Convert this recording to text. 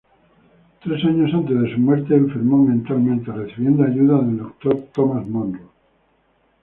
Tres años antes de su muerte, enfermó mentalmente, recibiendo ayuda del Dr. Thomas Monro.